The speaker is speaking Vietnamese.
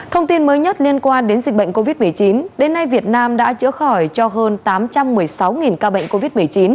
thông tin mới nhất liên quan đến dịch bệnh covid một mươi chín đến nay việt nam đã chữa khỏi cho hơn tám trăm một mươi sáu ca bệnh covid một mươi chín